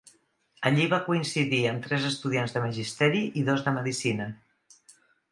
Allí va coincidir amb tres estudiants de Magisteri i dos de Medicina.